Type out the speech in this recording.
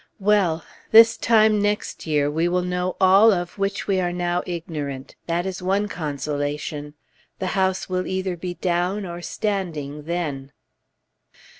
Well! this time next year, we will know all of which we are now ignorant. That is one consolation! The house will either be down or standing, then.